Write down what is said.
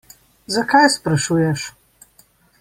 Zakaj sprašuješ?